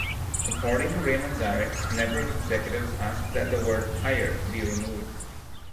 According to Ray Manzarek, network executives asked that the word "higher" be removed.